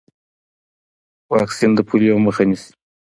واکسین د پولیو مخه نیسي۔